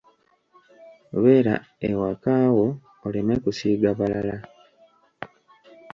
Beera ewaka wo oleme kusiiga balala.